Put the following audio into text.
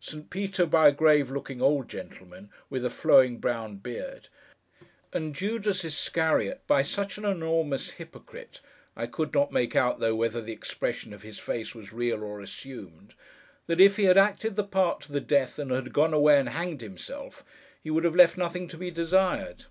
St. Peter, by a grave looking old gentleman, with a flowing brown beard; and Judas Iscariot by such an enormous hypocrite (I could not make out, though, whether the expression of his face was real or assumed) that if he had acted the part to the death and had gone away and hanged himself, he would have left nothing to be desired.